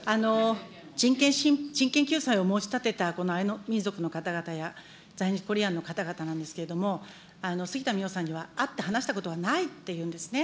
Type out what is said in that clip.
人権救済を申し立てたこのアイヌ民族の方々や、在日コリアンの方々なんですけれども、杉田水脈さんには会って話したことはないというんですね。